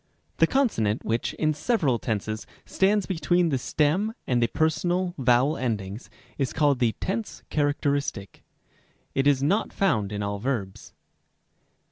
a. The consonant which, in several tenses, stands between the stem and the personal vowel endings, is called the tense characteristic. It is not found in all verbs.